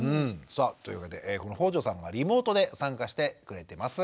さあというわけで北條さんがリモートで参加してくれてます。